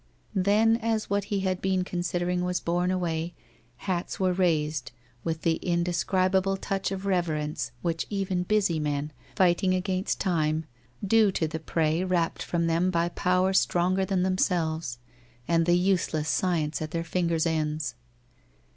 Then as what he had been considering was borne away, hats were raised, with the indescribable touch of reverence which even busy men, fighting against time, do to the prey rapt WHITE ROSE OF WEARY LEAF 241 from them by a power stronger than themselves, and the useless science at their finger's ends.